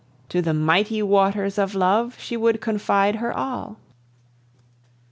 To the mighty waters of love she would confide her all!